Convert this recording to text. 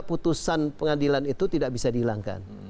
putusan pengadilan itu tidak bisa dihilangkan